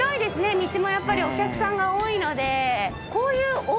道もやっぱりお客さんが多いので。